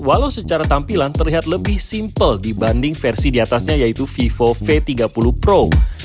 walau secara tampilan terlihat lebih simple dibanding versi diatasnya yaitu vivo v tiga puluh pro